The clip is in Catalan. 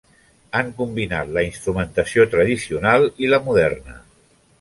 Han combinat la instrumentació tradicional i la moderna.